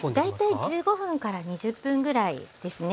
大体１５分から２０分ぐらいですね。